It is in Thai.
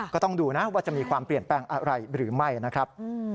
ก็ต้องดูนะว่าจะมีความเปลี่ยนแปลงอะไรหรือไม่นะครับ